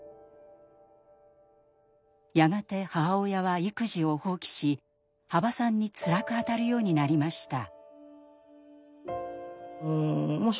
やがて母親は育児を放棄し羽馬さんにつらく当たるようになりました。